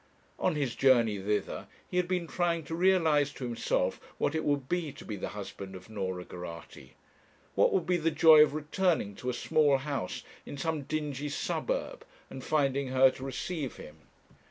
On his journey thither he had been trying to realize to himself what it would be to be the husband of Norah Geraghty; what would be the joy of returning to a small house in some dingy suburb and finding her to receive him.